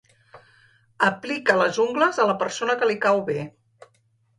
Aplica les ungles a la persona que li cau bé.